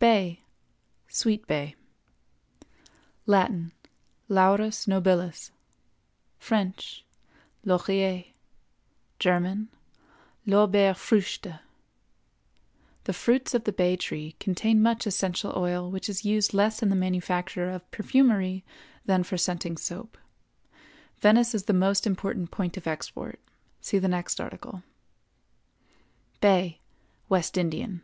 BAY (SWEET BAY). Latin—Laurus nobilis; French—Laurier; German—Lorbeerfrüchte. The fruits of the bay tree contain much essential oil which is used less in the manufacture of perfumery than for scenting soap. Venice is the most important point of export. See the next article. BAY (WEST INDIAN).